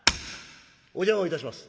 「お邪魔をいたします。